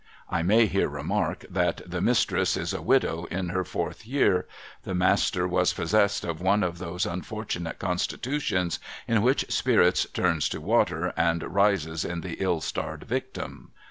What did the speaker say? (I may here remark, that the Mistress is a widow in her fourth year. The Master was possessed of one of those unfortunate constitutions in which Spirits turns to Water, and rises in the ill starred Victim.)